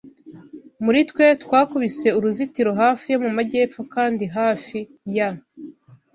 muri twe. Twakubise uruzitiro hafi yo mu majyepfo, kandi hafi ya